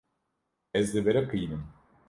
Ez dibiriqînim.